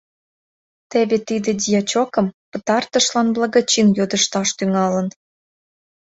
Теве тиде дьячокым пытартышлан благочин йодышташ тӱҥалын.